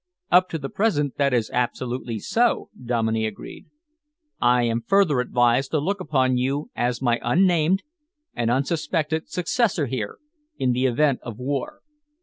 "Up to the present that is absolutely so," Dominey agreed. "I am further advised to look upon you as my unnamed and unsuspected successor here, in the event of war.